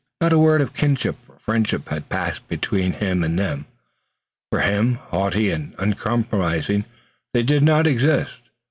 Not a word of kinship or friendship had passed between him and them. For him, haughty and uncompromising, they did not exist.